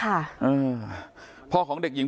พ่อของเด็กหญิงผู้เสียหายวันนี้พาลูกสาวไปโรงพยาบาลนะครับ